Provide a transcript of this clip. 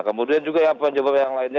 kemudian juga penyebab yang lainnya